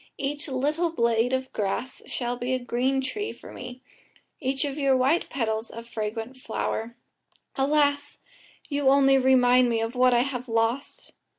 Each little blade of grass shall be a green tree for me, each of your white petals a fragrant flower. Alas! you only remind me of what I have lost."